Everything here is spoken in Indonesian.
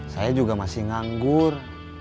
saya juga masih nganggur